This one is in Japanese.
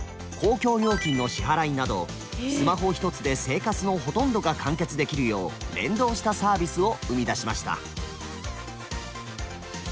公共料金の支払いなどスマホ一つで生活のほとんどが完結できるよう連動したサービスを生み出しました。